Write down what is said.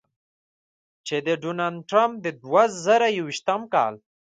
چې د ډونالډ ټرمپ د دوه زره یویشتم کال